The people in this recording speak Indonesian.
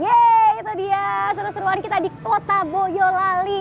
yeay itu dia seru seruan kita di kota boyolali